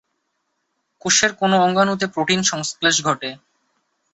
কোষের কোন অঙ্গাণুতে প্রোটিন সংশ্লেষ ঘটে?